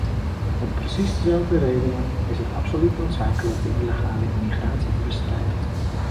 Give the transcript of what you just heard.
Om precies dezelfde redenen is het absoluut noodzakelijk de illegale immigratie te bestrijden.